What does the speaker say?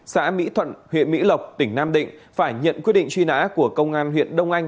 xã mỹ thuận huyện mỹ lộc tỉnh nam định phải nhận quyết định truy nã của công an huyện đông anh